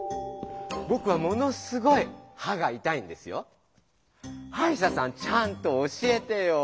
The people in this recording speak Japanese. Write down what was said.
ぼくはものすごいはがいたいんですよ。はいしゃさんちゃんと教えてよ！